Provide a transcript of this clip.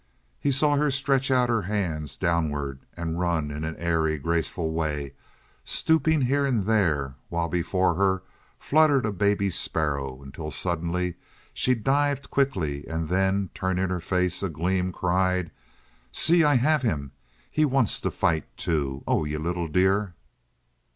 He saw her stretch out her hands downward, and run in an airy, graceful way, stooping here and there, while before her fluttered a baby sparrow, until suddenly she dived quickly and then, turning, her face agleam, cried: "See, I have him! He wants to fight, too! Oh, you little dear!"